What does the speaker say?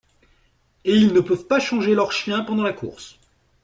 Et ils ne peuvent pas changer leurs chiens pendant la course.